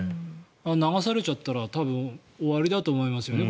流されちゃったら多分、終わりだと思いますよね